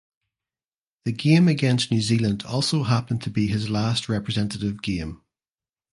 The game against New Zealand also happened to be his last representative game.